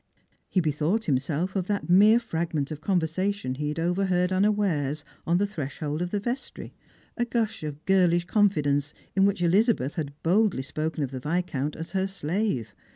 He bethought himself of that mere fragment of conversa tion he had overheard unawares on the threshold of the vestry, a gush of girlish confidence, in which Elizabeth had boldly ipoken of the Viscount *s her " slave."